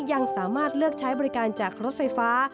ยังสามารถเลือกใช้บริการจากรถไฟฟ้า